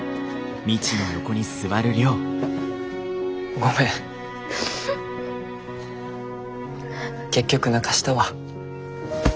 ごめん結局泣かしたわ。